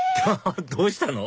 ⁉どうしたの？